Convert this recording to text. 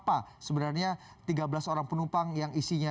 apa sebenarnya tiga belas orang penumpang yang isinya